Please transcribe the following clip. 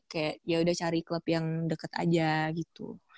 kayak yaudah cari klub yang deket aja gitu